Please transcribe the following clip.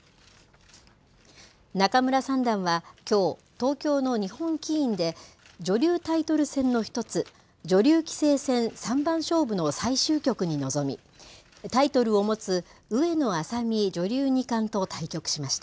仲邑三段はきょう、東京の日本棋院で、女流タイトル戦の一つ、女流棋聖戦三番勝負の最終局に臨み、タイトルを持つ上野愛咲美女流二冠と対局しました。